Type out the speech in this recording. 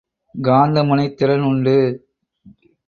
காந்த முனைத் திறன் உண்டு.